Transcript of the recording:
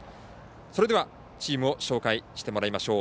チームを紹介してもらいましょう。